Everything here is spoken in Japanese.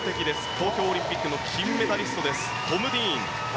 東京オリンピックの金メダリストトム・ディーン。